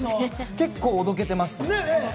結構おどけています。